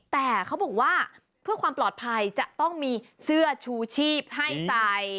แต่เขาบอกว่าเพื่อความปลอดภัยจะต้องมีเสื้อชูชีพให้ใส่